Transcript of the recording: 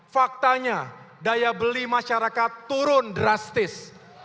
faktanya daya beli masyarakat turun drastis